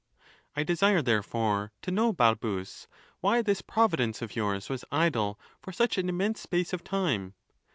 I desire, therefore, to know, Balbus, why this Providence of yours was idle for such an immense space of time?